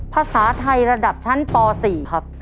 ภาษาไทยระดับชั้นป๔ครับ